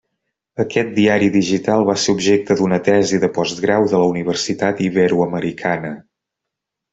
Aquest diari digital va ser objecte d'una tesi de postgrau de la Universitat Iberoamericana.